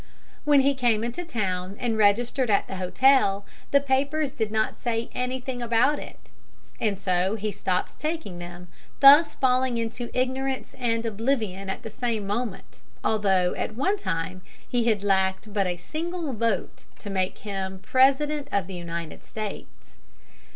When he came into town and registered at the hotel the papers did not say anything about it; and so he stopped taking them, thus falling into ignorance and oblivion at the same moment, although at one time he had lacked but a single vote to make him President of the United States. [Illustration: NOT TOO HAUGHTY TO HAVE FUN SOMETIMES.